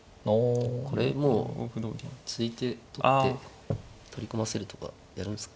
これもう突いて取って取り込ませるとかやるんですか。